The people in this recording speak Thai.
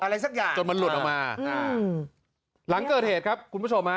อะไรสักอย่างจนมันหลุดออกมาอ่าหลังเกิดเหตุครับคุณผู้ชมฮะ